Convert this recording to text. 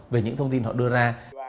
về những thông tin họ đưa ra